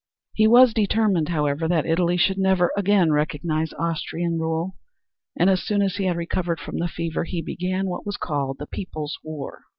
He was determined, however, that Italy should never again recognize Austrian rule, and as soon as he had recovered from the fever, he began what was called the "People's War."